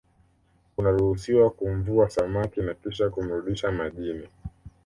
unaruhusiwa kumvua samaki na Kisha kumrudisha majini